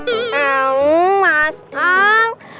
eh mas ang